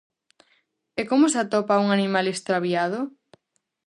E como se atopa a un animal extraviado?